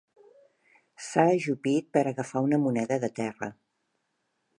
S'ha ajupit per agafar una moneda de terra.